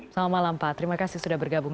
selamat malam pak terima kasih sudah bergabung